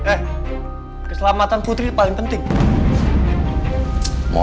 eh keselamatan putri paling penting